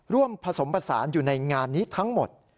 ร่วมผสมผสานอยู่ในงานนี้ทั้งหมด